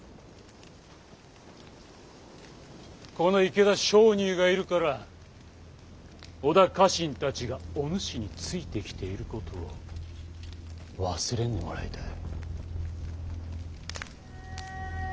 この池田勝入がいるから織田家臣たちがお主についてきていることを忘れんでもらいたい。